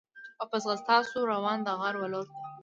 او په ځغاسته سو روان د غار و لورته